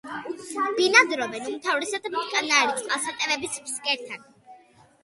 ბინადრობენ უმთავრესად მტკნარი წყალსატევების ფსკერთან.